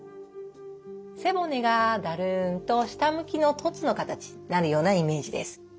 背骨がだるんと下向きの凸の形になるようなイメージです。